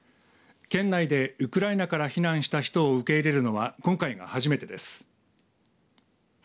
県内でウクライナから避難した人を受け入れるのは今回が初めてです。